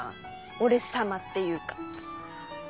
「オレ様」っていうか。